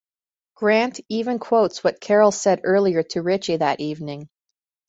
Grant even quotes what Carol said earlier to Ritchie that evening.